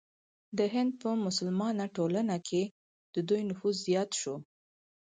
د هند په مسلمانه ټولنه کې د دوی نفوذ زیات شو.